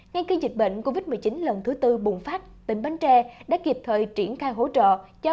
ngay khi dịch bệnh covid một mươi chín lần thứ tư bùng phát tỉnh bến tre đã kịp thời triển khai hỗ trợ cho